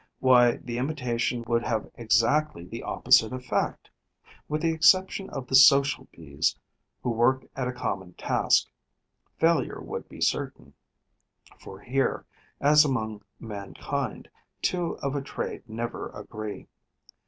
Why, the imitation would have exactly the opposite effect! With the exception of the Social Bees, who work at a common task, failure would be certain, for here, as among mankind, two of a trade never agree.